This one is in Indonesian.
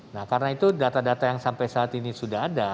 nah karena itu data data yang sampai saat ini sudah ada